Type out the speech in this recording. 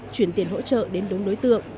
chuyển tiền hỗ trợ đến đúng đối tượng